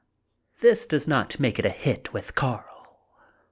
This does not make a hit with Carl.